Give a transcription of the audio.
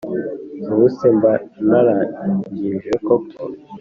Ubuse mba narangije koko